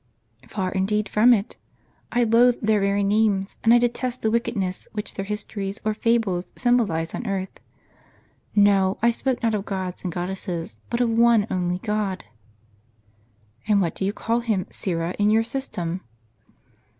" "Far indeed from it; I loathe their very names, and I detest the wickedness which their histories or fables symbolize on earth. 'No, I spoke not of gods and goddesses, but of one only God." " And Avhat do you call Him, Syra, in your system